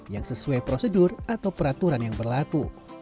yang sesuai prosedur atau peraturan yang berlaku